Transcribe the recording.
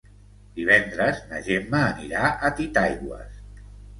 Divendres na Gemma anirà a Titaigües.